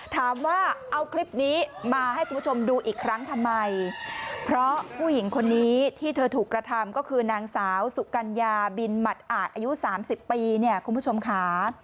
ถามว่าเอาคลิปนี้มาให้คุณผู้ชมดูอีกครั้งทำไมเพราะผู้หญิงคนนี้ที่เธอถูกกระทำก็คือนางสาวสุกัญญาบินหมัดอาจอายุสามสิบปีเนี่ยคุณผู้ชมค่ะ